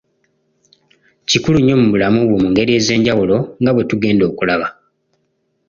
Kikulu nnyo mu bulamu bwo mu ngeri ez’enjawulo nga bwe tugenda okulaba.